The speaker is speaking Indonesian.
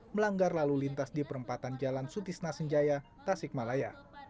melanggar lalu lintas di perempatan jalan sutisna senjaya tasikmalaya